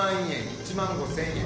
１万５，０００円。